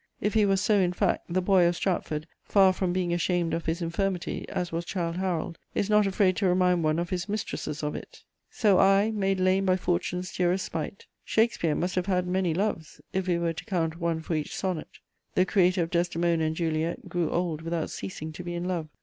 If he was so in fact, the "Boy" of Stratford, far from being ashamed of his infirmity, as was Childe Harold, is not afraid to remind one of his mistresses of it: So I, made lame by fortune's dearest spite. Shakespeare must have had many loves, if we were to count one for each sonnet. The creator of Desdemona and Juliet grew old without ceasing to be in love.